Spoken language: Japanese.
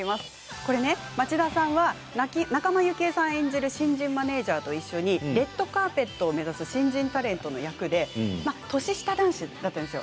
これね町田さんが仲間由紀恵さん演じる新人マネージャーと一緒にレッドカーペットを目指す新人タレントの役で年下男子だったんですよ。